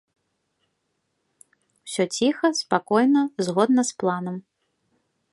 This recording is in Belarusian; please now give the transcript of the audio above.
Усё ціха, спакойна, згодна з планам.